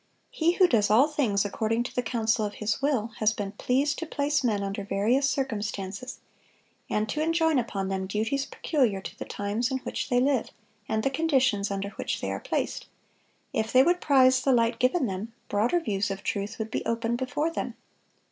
He who does all things according to the counsel of His will, has been pleased to place men under various circumstances, and to enjoin upon them duties peculiar to the times in which they live, and the conditions under which they are placed. If they would prize the light given them, broader views of truth would be opened before them.